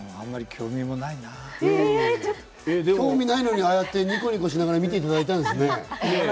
興味ないのに、ああやってニコニコしながら見ていただいたんですね。